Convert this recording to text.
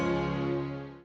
masih ada yang nge report